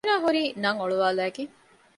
އޭނާ ހުރީ ނަން އޮޅުވާލައިގެން